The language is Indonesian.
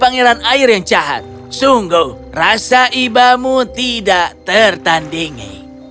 pangeran air yang jahat sungguh rasa ibamu tidak tertandingi